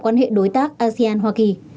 quan hệ đối tác asean hoa kỳ